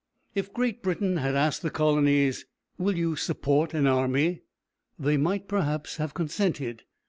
If Great Britain had asked the colonies, "Will you support an army?" they might perhaps have consented.